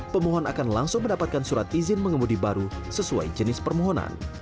pemohon akan langsung mendapatkan surat izin mengemudi baru sesuai jenis permohonan